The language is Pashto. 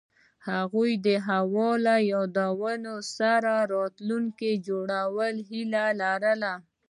هغوی د هوا له یادونو سره راتلونکی جوړولو هیله لرله.